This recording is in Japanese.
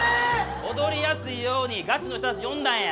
踊りやすいようにガチの人たち呼んだんや。